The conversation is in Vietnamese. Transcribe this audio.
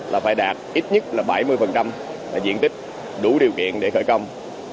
là phải đạt ít nhất là bảy mươi diện tích đủ điều kiện để khởi công